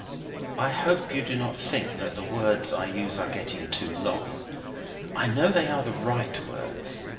(I hope you do not think that the words I use are getting too long. I know they are the right words.